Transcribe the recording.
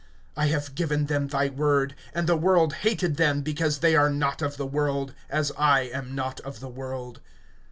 (14)I have given them thy word; and the world hated them, because they are not of the world, as I am not of the world.